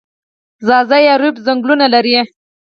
ځاځي اریوب ځنګلونه لري؟